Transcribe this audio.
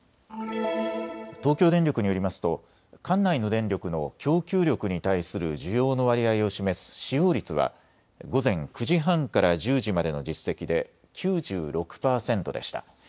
東京電力によりますと管内の電力の供給力に対する需要の割合を示す使用率は午前９時半から１０時までの実績で９６％でした。